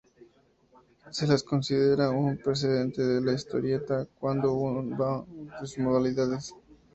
Se las considera un precedente de la historieta, cuando no una de sus modalidades.